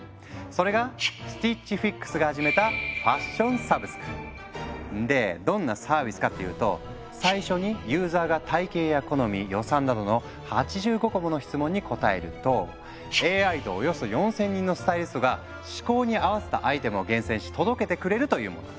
それがスティッチ・フィックスが始めたでどんなサービスかっていうと最初にユーザーが体型や好み予算などの８５個もの質問に答えるとＡＩとおよそ４，０００人のスタイリストが嗜好に合わせたアイテムを厳選し届けてくれるというもの。